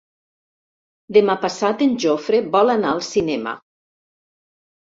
Demà passat en Jofre vol anar al cinema.